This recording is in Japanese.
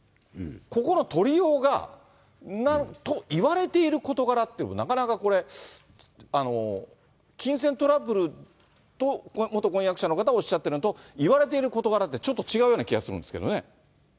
ここの取りようが、言われてる事柄っていう、なかなかこれ、金銭トラブルと、元婚約者の方がおっしゃってるのと、言われている事柄って、ちょっと違うような気がするんですけどね。